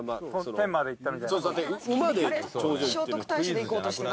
天まで行ったみたいな。